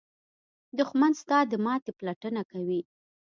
دښمن ستا د ماتې پلټنه کوي